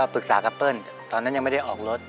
ปรึกษากับเปิ้ลตอนนั้นยังไม่ได้ออกรถ